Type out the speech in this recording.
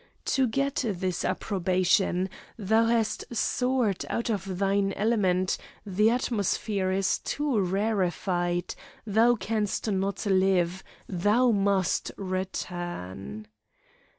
To get this approbation thou hast soared out of thine element; the atmosphere is too rarified, thou canst not live, thou must return!